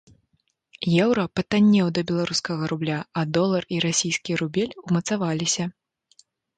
Еўра патаннеў да беларускага рубля, а долар і расійскі рубель умацаваліся.